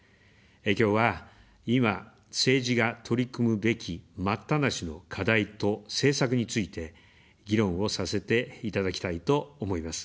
きょうは、今、政治が取り組むべき待ったなしの課題と政策について、議論をさせていただきたいと思います。